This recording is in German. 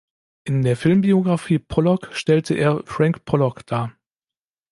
In der Filmbiografie "Pollock" stellte er "Frank Pollock" dar.